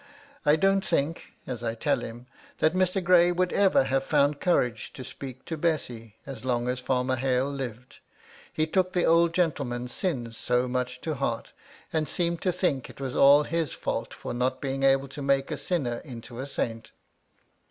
' I don't think (as I tell him) that Mr. Gray would 'ever have found courage to speak to Bessy as long MY LADY LUDLOW. 337 * as Farmer Hale lived, he took the old gentleman's sins ^ so much to hearty and seemed to think it was all his fault ' for not being able to make a sinner into a saint.